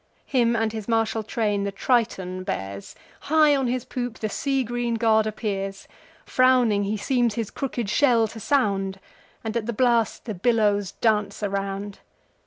Him and his martial train the Triton bears; High on his poop the sea green god appears: Frowning he seems his crooked shell to sound, And at the blast the billows dance around.